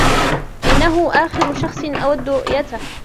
إنه آخر شخصٍ أود رؤيته.